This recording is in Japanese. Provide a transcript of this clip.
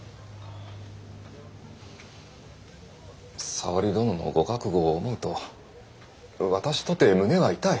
沙織殿のご覚悟を思うと私とて胸は痛い。